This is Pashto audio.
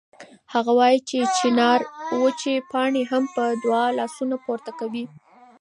هغه وایي چې د چنار وچې پاڼې هم په دعا لاسونه پورته کوي.